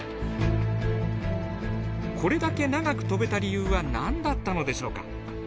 これだけ長く飛べた理由は何だったのでしょうか？